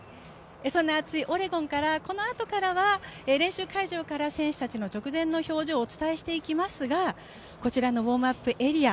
そんな熱いオレゴンからこのあとからは練習会場から選手たちの直前の表情をお伝えしていきますが、こちらのウォームアップエリア